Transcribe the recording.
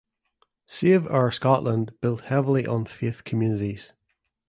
Save Our Scotland built heavily on faith communities.